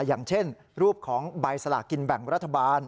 อย่างเช่นรูปของใบสลากินแบ่งรัฐบาล